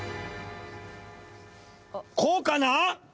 こうかな？